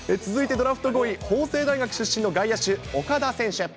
続いてドラフト５位、法政大学出身の外野手、岡田選手。